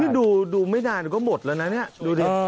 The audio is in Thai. นี่ดูไม่นานก็หมดแล้วนะเนี่ยดูดิ